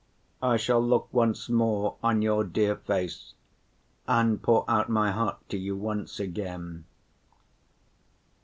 I shall look once more on your dear face and pour out my heart to you once again."